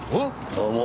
どうも。